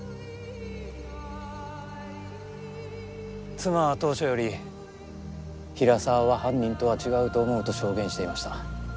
妻は当初より平沢は犯人とは違うと思うと証言していました。